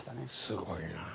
すごいな。